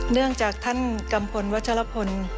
เนื่องจากท่านกัมพลวัชลพล